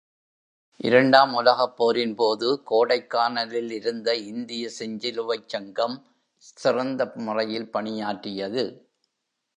இரண்டாம் உலகப் போரின்போது கோடைக்கானலில் இருந்த இந்திய செஞ்சிலுவைச் சங்கம் சிறந்த முறையில் பணியாற்றியது.